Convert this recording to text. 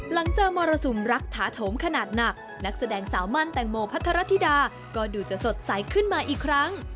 หลังเจอมรสุมรักถาโถมขนาดหนักนักแสดงสาวมั่นแตงโมพัทรธิดาก็ดูจะสดใสขึ้นมาอีกครั้ง